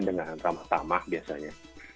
dengan ramah ramah biasanya